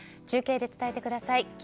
中継で伝えてください。